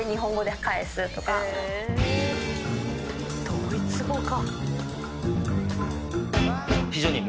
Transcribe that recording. ドイツ語か。